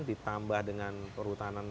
ditambah dengan perhutanan